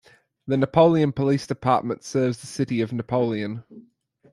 The Napoleon Police Department serves the City of Napoleon.